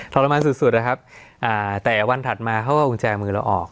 ทรมานสุดนะครับแต่วันถัดมาเขาก็เอากุญแจมือเราออก